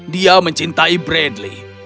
dia mencintai bradley